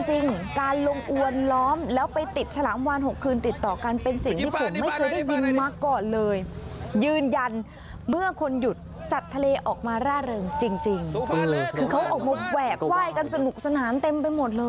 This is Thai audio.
จริงคือเขาออกมาแหวะไหว้กันสนุกสนานเต็มไปหมดเลย